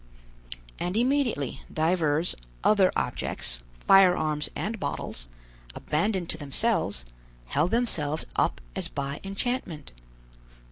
And immediately divers other objects, firearms and bottles, abandoned to themselves, held themselves up as by enchantment.